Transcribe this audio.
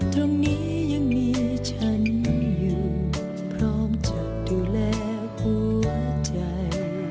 ตรงนี้ยังมีฉันอยู่พร้อมจะดูแลหัวใจ